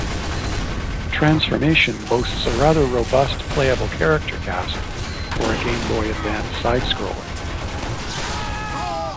Transformation boasts a rather robust playable character cast for a Game Boy Advance side-scroller.